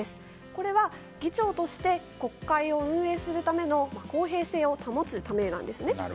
これは、議長として国会を運営するための公平性を保つためなんですね。